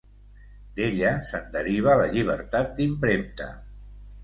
D'ella se'n deriva la llibertat d'impremta.